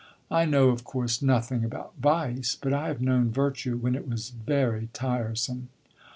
"I know, of course, nothing about vice; but I have known virtue when it was very tiresome."